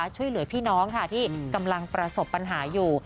ช่วยเหลือพี่น้องค่ะที่กำลังประสบปัญหาอยู่